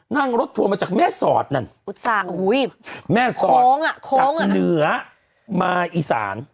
นั่งรถทัวร์มาจากแม่สอดนั่นแม่สอดจากเหนือมาอีสาน